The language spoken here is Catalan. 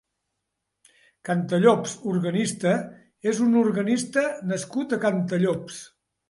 Cantallops (organista) és un organista nascut a Cantallops.